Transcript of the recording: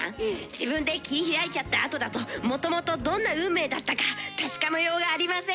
自分で切り開いちゃったあとだともともとどんな運命だったか確かめようがありません。